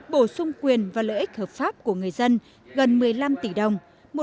bổ sung quyền và lợi ích hợp pháp của người dân gần một mươi năm tỷ đồng